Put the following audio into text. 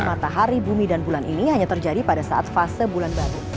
matahari bumi dan bulan ini hanya terjadi pada saat fase bulan baru